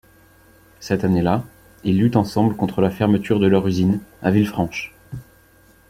Cette année-là, ils luttent ensemble contre la fermeture de leur usine, à Villefranche.